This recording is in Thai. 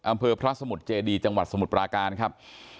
อำเภอพระสมุทรเจดีจังหวัดสมุทรปราการครับ